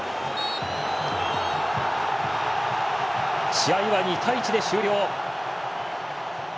試合は２対１で終了。